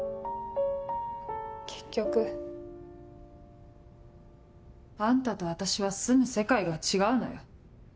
結局あんたと私は住む世界が違うのよ。